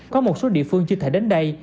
có một số địa phương chưa thể đến đây